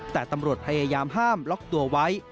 แต่ตำรวจพยายามห้ามล็อกตัวไว้